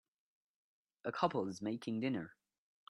a couple is making dinner